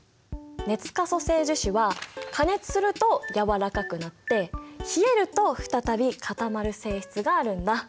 熱可塑性樹脂は加熱するとやわらかくなって冷えると再び固まる性質があるんだ。